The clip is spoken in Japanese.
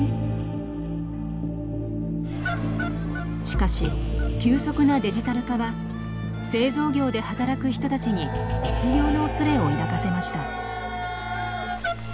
しかし急速なデジタル化は製造業で働く人たちに失業のおそれを抱かせました。